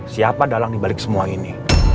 siapa dalang dibalik semua ini